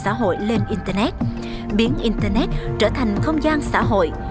các mối quan hệ xã hội lên internet biến internet trở thành không gian xã hội